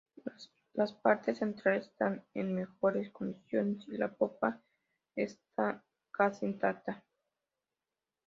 Las partes centrales están en mejores condiciones y la popa está casi intacta.